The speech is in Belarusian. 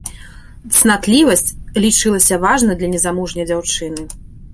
Цнатлівасць лічылася важнай для незамужняй дзяўчыны.